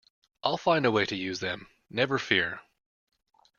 I'll find a way to use them, never fear!